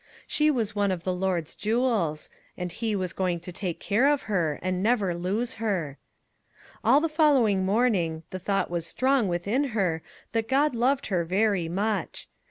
She was one of the Lord's jewels, and he was going to take care of her and never lose her. All the following morning, the thought was strong within her that God loved her very 72 RAISINS " much.